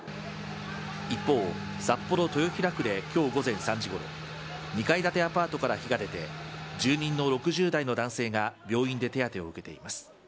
一方、札幌豊平区できょう午前３時ごろ、２階建てアパートから火が出て、住人の６０代の男性が病院で手当てを受けています。